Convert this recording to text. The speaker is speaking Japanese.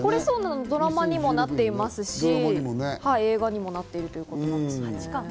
ドラマにもなってますし、映画にもなっているということなんです。